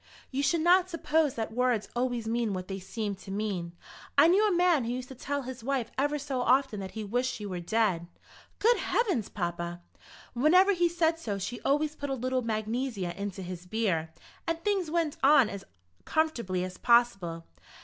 You should not suppose that words always mean what they seem to mean. I knew a man who used to tell his wife ever so often that he wished she were dead." "Good heavens, papa!" "Whenever he said so she always put a little magnesia into his beer, and things went on as comfortably as possible.